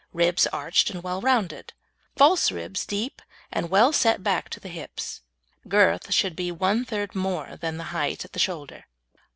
Ribs arched and well rounded. False ribs deep and well set back to the hips. Girth should be one third more than the height at the shoulder.